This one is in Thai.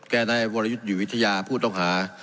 นายวรยุทธ์อยู่วิทยาผู้ต้องหา